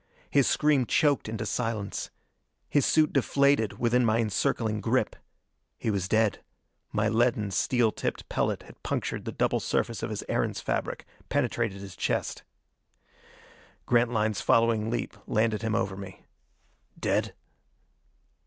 His scream choked into silence. His suit deflated within my encircling grip. He was dead; my leaden, steel tipped pellet had punctured the double surface of his Erentz fabric, penetrated his chest. Grantline's following leap landed him over me. "Dead?"